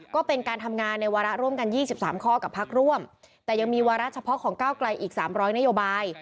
ก็เป็นการทำงานในวาระร่วมกัน๒๓ข้อกับพักร่วมแต่ยังมีวาระเฉพาะของก้าวไกลอีก๓๐๐นโยบาย